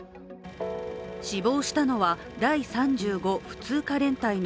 死亡したのは、第３５普通科連隊の